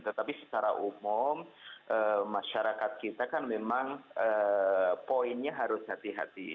tetapi secara umum masyarakat kita kan memang poinnya harus hati hati